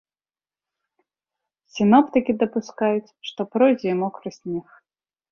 Сіноптыкі дапускаюць, што пройдзе і мокры снег.